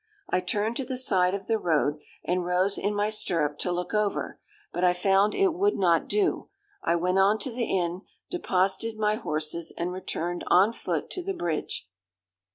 I turned to the side of the road, and rose in my stirrup to look over; but I found it would not do. I went on to the inn, deposited my horses and returned on foot to the bridge.